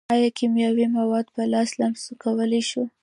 ایا کیمیاوي مواد په لاس لمس کولی شو.